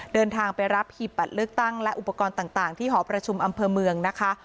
เดินทางไปรับหีบบัตรเลือกตั้งและอุปกรณ์ต่างที่หอประชุมอำเภอเมืองนะคะ